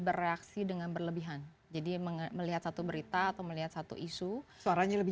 bereaksi dengan berlebihan jadi melihat satu berita atau melihat satu isu suaranya lebih